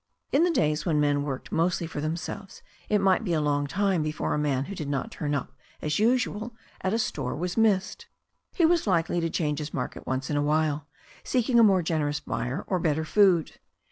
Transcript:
In the days when men worked mostly for themselves it might be a long time before a man who did not turn up as usual at a store was missed. He was likely to change his market once in a while, seeking a more generous buyer or better food.